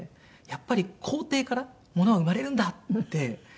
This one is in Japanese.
やっぱり肯定からものは生まれるんだって。